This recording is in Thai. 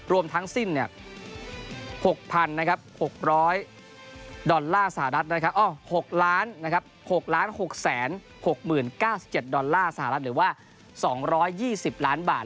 รวมทั้งสิ้น๖๖๐๐ดอลลาร์สหรัฐหรือว่า๒๒๐ล้านบาท